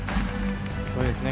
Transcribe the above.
そうですね